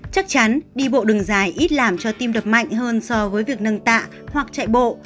chắc chắn đi bộ đường dài ít làm cho tim đập mạnh hơn so với việc nâng tạ hoặc chạy bộ